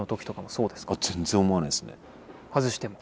外しても？